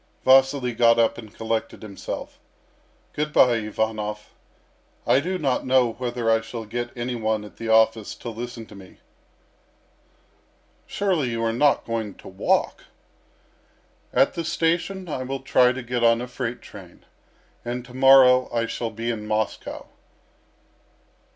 Vasily got up and collected himself. "Good bye, Ivanov. I do not know whether I shall get any one at the office to listen to me." "Surely you are not going to walk?" "At the station I will try to get on a freight train, and to morrow I shall be in Moscow."